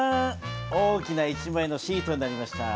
大きな一枚のシートになりました。